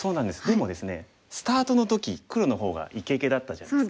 でもですねスタートの時黒の方がいけいけだったじゃないですか。